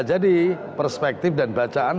jadi perspektif dan bacaan